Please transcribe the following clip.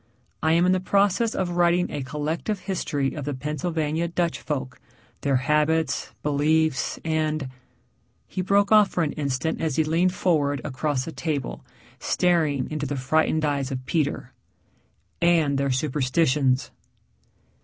I am in the process of writing a collective history of the Pennsylvania Dutch folk, their habits, beliefs, and " he broke off for an instant as he leaned forward across the table, staring into the frightened eyes of Peter " and their superstitions."